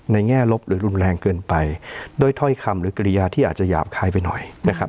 แง่ลบหรือรุนแรงเกินไปด้วยถ้อยคำหรือกิริยาที่อาจจะหยาบคายไปหน่อยนะครับ